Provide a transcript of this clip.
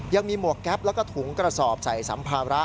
หมวกแก๊ปแล้วก็ถุงกระสอบใส่สัมภาระ